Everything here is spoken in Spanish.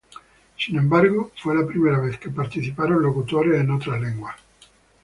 Sin embargo, fue la primera vez que participaron locutores en otros idiomas.